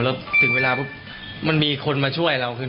แล้วถึงเวลามันมีคนมาช่วยเรา